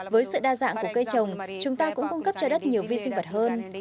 với sự đa dạng của cây trồng chúng ta cũng cung cấp cho đất nhiều vi sinh vật hơn